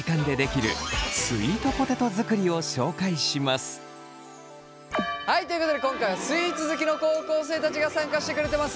そしてはいということで今回はスイーツ好きの高校生たちが参加してくれてます。